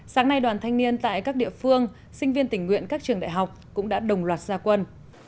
sáng nay đoàn thanh niên tại các địa phương sinh viên tình nguyện các trường đại học cũng đã đồng loạt gia quân